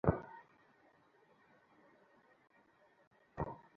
বিভিন্ন পত্রিকার খবর অনুযায়ী, হকারদের পেছনে শক্তিশালী কয়েকটি সিন্ডিকেট রয়েছে।